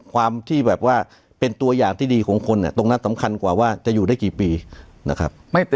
ความที่แบบว่าเป็นตัวอย่างที่ดีของคนตรงนั้นสำคัญกว่าว่าจะอยู่ได้กี่ปีนะครับ